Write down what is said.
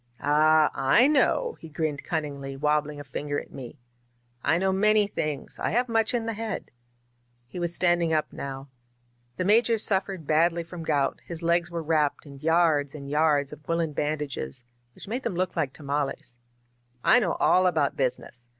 "Ah, I know," he grinned cunningly, wabbling a fin ger at me. ^^I know many things ; I have much in the head." He was standing up now. The Major suffered badly from gout; his legs were wrapped in yards and 70 THE FIVE MUSKETEERS yards of woolen bandages, which made them look like tamales. *^I know all about business.